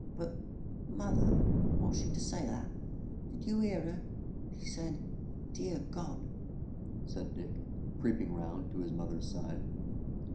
"But, mother, ought she to say that? Did you hear her? She said 'dear God,'" said Dick, creeping round to his mother's side.